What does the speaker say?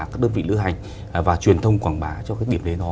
các đơn vị lưu hành và truyền thông quảng bá